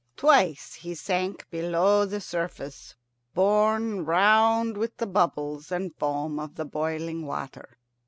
Twice he sank below the surface, borne round with the bubbles and foam of the boiling water.